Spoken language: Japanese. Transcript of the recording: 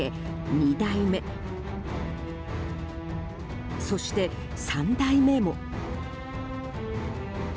２台目、そして３台目も。